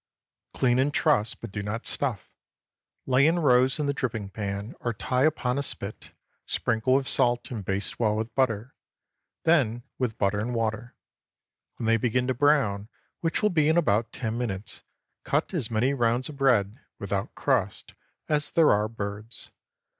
Clean and truss, but do not stuff. Lay in rows in the dripping pan, or tie upon a spit, sprinkle with salt, and baste well with butter, then with butter and water. When they begin to brown, which will be in about ten minutes, cut as many rounds of bread (without crust) as there are birds.